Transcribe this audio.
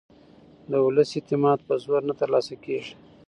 د ولس اعتماد په زور نه ترلاسه کېږي